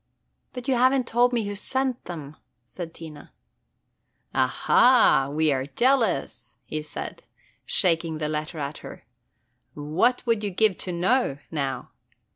"But you have n't told me who sent them," said Tina. "Ah, ha! we are jealous!" said he, shaking the letter at her. "What would you give to know, now?